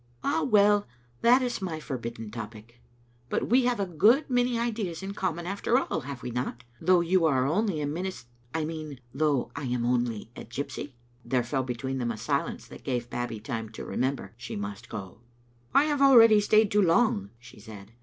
" Ah, well, that is my forbidden topic. But we have a good many ideas in common after all, have we not, though you are only a minis — I mean, though I am only a gypsy?" There fell between them a silence that gave Babbie time to remember she must go. "I have already stayed too long," she said.